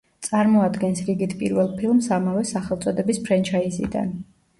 წარმოადგენს რიგით პირველ ფილმს ამავე სახელწოდების ფრენჩაიზიდან.